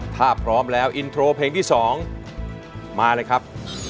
ถ้าพร้อมแล้วอินโทรเพลงที่๒มาเลยครับ